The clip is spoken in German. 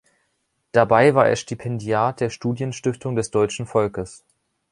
Dabei war er Stipendiat der Studienstiftung des deutschen Volkes.